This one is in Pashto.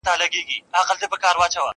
چي سړی پر لاپو شاپو وو راغلی -